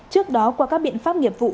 trước đó qua các biện pháp nghiệp vụ